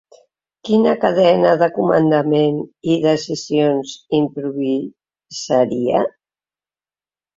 Quina cadena de comandament i decisions improvisaria?